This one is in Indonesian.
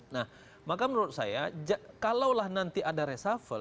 nah maka menurut saya kalaulah nanti ada reshuffle